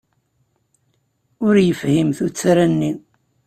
Ur yefhim tuttra-nni.